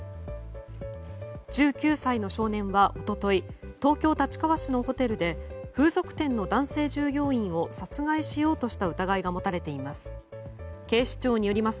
１９歳の少年は一昨日東京・立川市のホテルで風俗店の男性従業員を殺害しようとした疑いが持たれています。